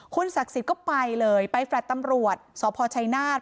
คุณสักสิทธิ์ก็ไปเลยไปแฟลทตำรวจสพชัยนาทน์